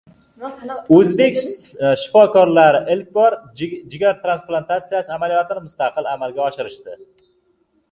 O‘zbek shifokorlari ilk bor jigar transplantasiyasi amaliyotini mustaqil amalga oshirishdi